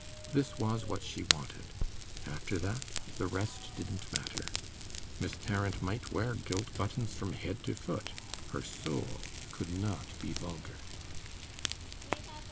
This was what she wanted; after that the rest didn't matter; Miss Tarrant might wear gilt buttons from head to foot, her soul could not be vulgar.